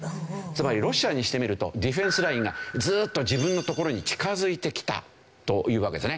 つまりロシアにしてみるとディフェンスラインがずーっと自分のところに近づいてきたというわけですね。